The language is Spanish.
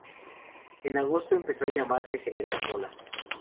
En agosto empezó a llamarse "General Mola".